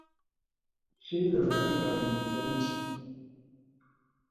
Shaidar daɗin abincin sai an ci.